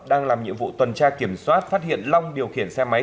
đang làm nhiệm vụ tuần tra kiểm soát phát hiện long điều khiển xe máy